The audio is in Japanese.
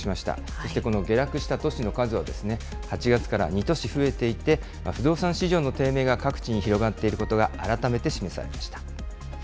そしてこの下落した都市の数は、８月から２都市増えていて、不動産市場の低迷が各地に広がっていることが改めて示されました。